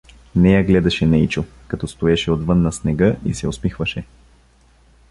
Нея гледаше Нейчо, като стоеше отвън на снега, и се усмихваше.